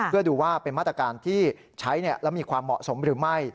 เพื่อดูว่าเป็นมาตรการที่ใช้แล้วมีความเหมาะสมหรือไม่